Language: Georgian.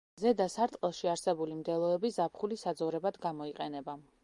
ზედა სარტყელში არსებული მდელოები ზაფხულის საძოვრებად გამოიყენება.